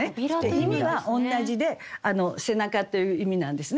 意味は同じで「背中」という意味なんですね。